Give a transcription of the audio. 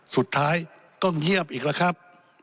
สุดท้ายก็เงียบอีกแล้วครับ